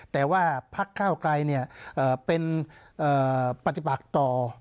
แต่ว่าพักก้าวไกลเนี่ยเป็นปัจจิปักต่อ